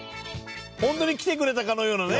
ホントに来てくれたかのようなね。